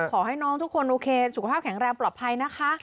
ขอให้น้องทุกคนโอเคสุขภาพแข็งแรงปลอดภัยนะคะ